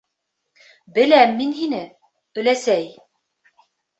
Беләм мин һине, өләсәй...